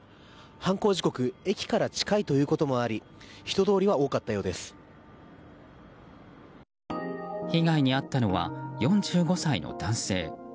犯行時刻駅から近いということもあり被害に遭ったのは４５歳の男性。